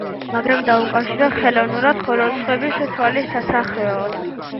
მაგრამ დაუკავშირა ხელოვნურად, მხოლოდ სხვების თვალის ასახვევად.